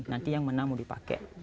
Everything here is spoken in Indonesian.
nanti yang menang mau dipakai